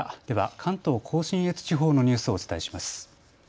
関東甲信越地方のニュースをお伝えします。